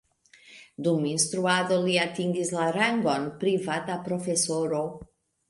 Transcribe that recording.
Dum instruado li atingis la rangon privata profesoro.